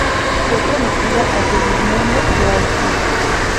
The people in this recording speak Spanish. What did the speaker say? Fue prometida a Segismundo de Austria.